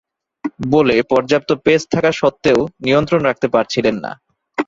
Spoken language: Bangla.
বলে পর্যাপ্ত পেস থাকা সত্ত্বেও নিয়ন্ত্রণ রাখতে পারছিলেন না।